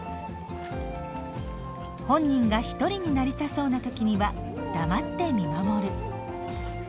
本人が一人になりたそうな時には黙って見守る。